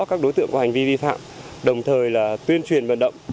các đối tượng có hành vi vi phạm đồng thời là tuyên truyền vận động